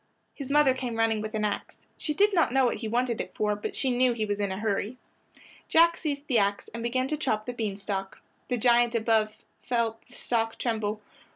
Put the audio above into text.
His mother came running with an ax. She did not know what he wanted it for, but she knew he was in a hurry. Jack seized the ax and began to chop the bean stalk. The giant above felt the stalk tremble.